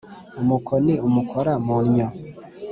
umukoni umukora mu nnyo